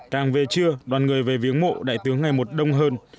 càng về trưa đoàn người về viếng mộ đại tướng ngày một đông hơn